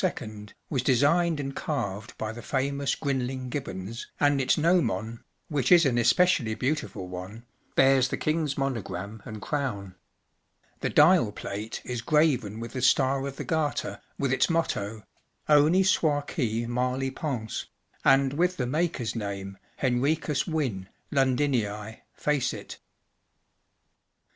was designed and carved by the famous Grinling Gibbons, and its gnomon—which is an especially beautiful one—bears the King’s monogram and crown. The dial plate is graven with the Star of the Garter, with its motto, “ Honi soil qui tnal y pense,” and with the maker’s name, “Henricus Wynne, Londinii, fecit."